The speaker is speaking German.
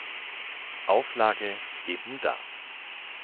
Auflage ebd.